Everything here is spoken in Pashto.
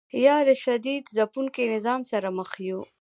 یا له شدید ځپونکي نظام سره مخ یو.